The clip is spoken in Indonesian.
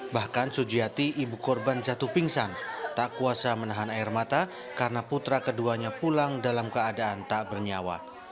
bahkan sujiati ibu korban jatuh pingsan tak kuasa menahan air mata karena putra keduanya pulang dalam keadaan tak bernyawa